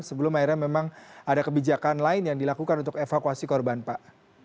sebelum akhirnya memang ada kebijakan lain yang dilakukan untuk evakuasi korban pak